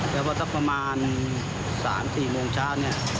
แต่ว่าสักประมาณ๓๔โมงเช้าเนี่ย